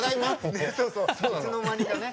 いつの間にかね。